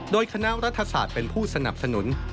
โดยคณะรัฐศาสตร์เป็นผู้สนับสนุน